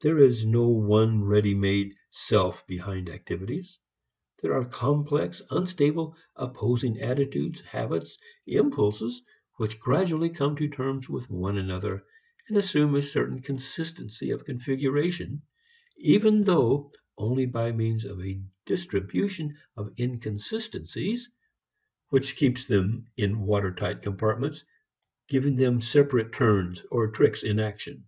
There is no one ready made self behind activities. There are complex, unstable, opposing attitudes, habits, impulses which gradually come to terms with one another, and assume a certain consistency of configuration, even though only by means of a distribution of inconsistencies which keeps them in water tight compartments, giving them separate turns or tricks in action.